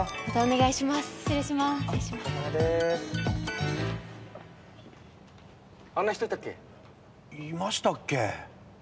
いましたっけ？